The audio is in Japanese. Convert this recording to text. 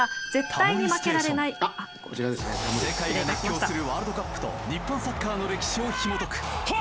世界が熱狂するワールドカップと日本サッカーの歴史をひもとく。